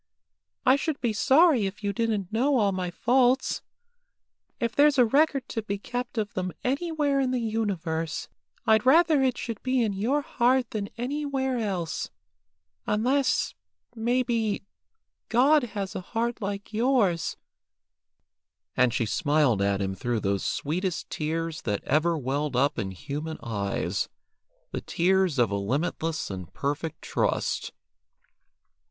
I should be sorry if you didn't know all my faults. If there's a record to be kept of them anywhere in the universe, I'd rather it should be in your heart than anywhere else, unless, maybe, God has a heart like yours;" and she smiled at him through those sweetest tears that ever well up in human eyes, the tears of a limitless and perfect trust.